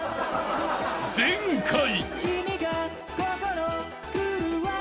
［前回］